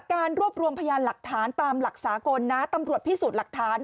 ตามหลักศาสนากลนะตำรวจพิสูจน์หลักฐาน